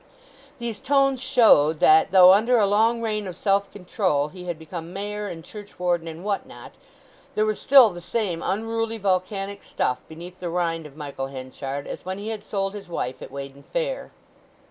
These tones showed that, though under a long reign of self control he had become Mayor and churchwarden and what not, there was still the same unruly volcanic stuff beneath the rind of Michael Henchard as when he had sold his wife at Weydon Fair.